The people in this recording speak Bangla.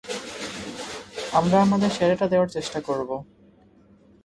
আমরা আমাদের সেরাটা দেওয়ার চেষ্টা করবো।